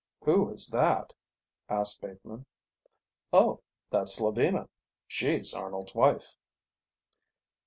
"Who is that?" asked Bateman. "Oh, that's Lavina. She's Arnold's wife."